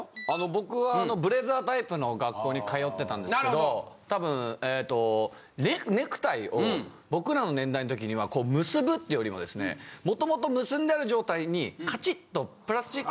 僕はブレザータイプの学校に通ってたんですけど多分えっとネクタイを僕らの年代の時にはこう結ぶっていうよりもですね元々結んである状態にカチッとプラスチックで。